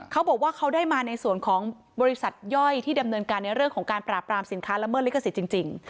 เขาบอกว่าเขาได้มาในส่วนของบริษัทย่อยที่ดำเนินการในเรื่องของการปราบรามสินค้าละเมิดลิขสิทธิ์จริง